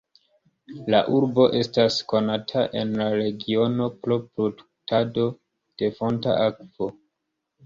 La urbo estas konata en la regiono pro produktado de fonta akvo.